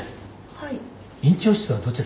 はい。